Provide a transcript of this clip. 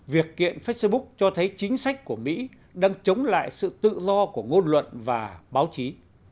việc kiện facebook cho thấy chính sách của mỹ đang chống lại sự tự do của ngôn luận và báo chí